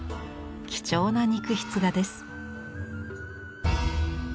貴重な肉筆画です。